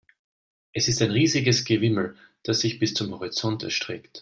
Es ist ein riesiges Gewimmel, das sich bis zum Horizont erstreckt.